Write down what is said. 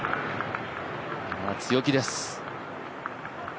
強気です。